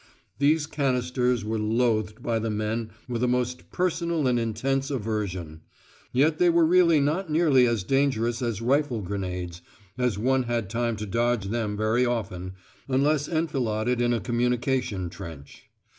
These canisters were loathed by the men with a most personal and intense aversion. Yet they were really not nearly so dangerous as rifle grenades, as one had time to dodge them very often, unless enfiladed in a communication trench.